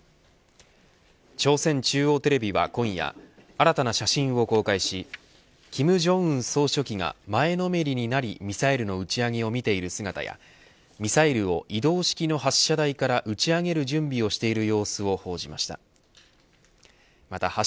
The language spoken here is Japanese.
朝鮮中央テレビは今夜新たな写真を公開し金正恩総書記が前のめりになりミサイルの打ち上げを見ている姿やミサイルを移動式の発射台から打ち上げる準備をしている様子を報じました。